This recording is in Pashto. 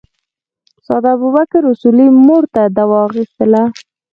استاد ابوبکر اصولي مور ته دوا اخیستله.